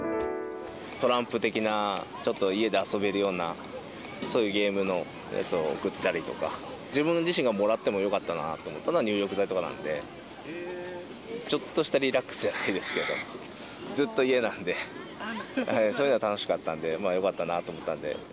トランプ的な、ちょっと家で遊べるような、そういうゲームのやつを送ったりとか、自分自身がもらってもよかったなと思ったのが入浴剤とかなんで、ちょっとしたリラックスじゃないですけど、ずっと家なので、そういうのが楽しかったので、よかったなと思ったんで。